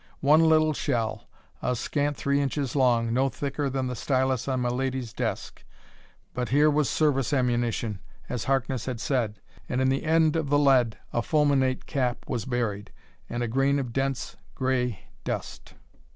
One little shell, a scant three inches long, no thicker than the stylus on milady's desk! But here was service ammunition, as Harkness had said; and in the end of the lead a fulminate cap was buried and a grain of dense, gray dust!